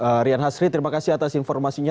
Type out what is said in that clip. rian hasri terima kasih atas informasinya